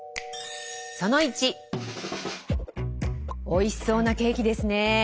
おいしそうなケーキですねぇ。